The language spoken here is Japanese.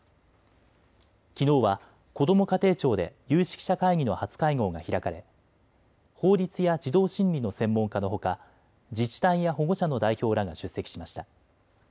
きのうは、こども家庭庁で有識者会議の初会合が開かれ法律や児童心理の専門家のほか自治体や保護者の代表らが出席しました。